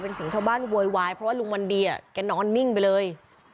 เป็นเสียงชาวบ้านโวยวายเพราะว่าลุงวันดีแกนอนนิ่งไปเลย